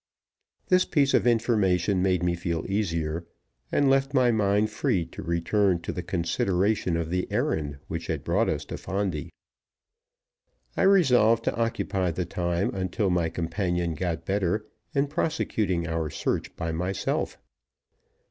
This piece of information made me feel easier, and left my mind free to return to the consideration of the errand which had brought us to Fondi. I resolved to occupy the time until my companion got better in prosecuting our search by myself.